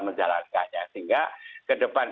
menjalankannya sehingga ke depan